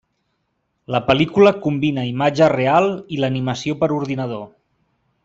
La pel·lícula combina imatge real i l'animació per ordinador.